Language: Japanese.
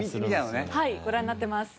はいご覧になっています。